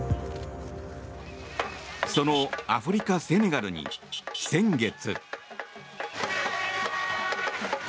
そのアフリカ・セネガルに先月。